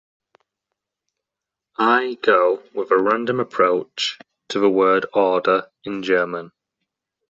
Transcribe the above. I go with a random approach to word order in German.